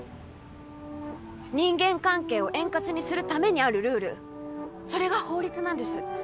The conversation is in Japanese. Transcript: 人間関係を円滑にするためにあるルールそれが法律なんです